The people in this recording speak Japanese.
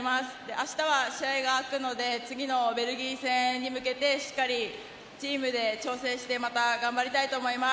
明日は試合が空くので次のベルギー戦に向けてしっかりチームで調整してまた頑張りたいと思います。